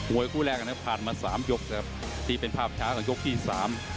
โมยคู่แรกแล้วน้ำพลผ่านมาสามยกนะครับดีเป็นภาพช้ากันยกที่สาม